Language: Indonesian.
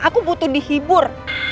aku butuh dihibur